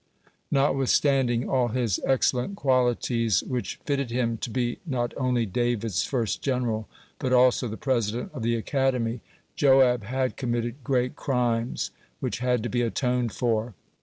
(4) Notwithstanding all his excellent qualities, which fitted him to be not only David's first general, but also the president of the Academy, (5) Joab had committed great crimes, which had to be atoned for.